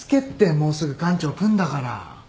もうすぐ館長来んだから。